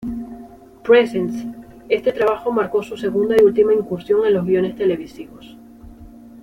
Presents", este trabajo marcó su segunda y última incursión en los guiones televisivos.